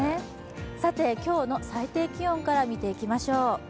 今日の最低気温から見ていきましょう。